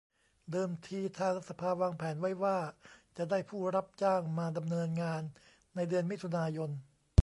เดิมทีทางสภาวางแผนไว้ว่าจะได้ผู้รับจ้างมาดำเนินงานในเดือนมิถุนายน